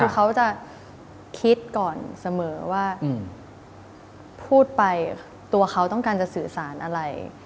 คือเขาจะคิดก่อนเสมอว่าพูดไปตัวเขาต้องการจะสื่อสารอะไร